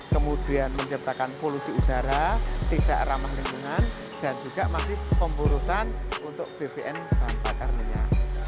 kemudian menciptakan polusi udara tindak ramah lingkungan dan juga masih pemburusan untuk bpn tanpa karninya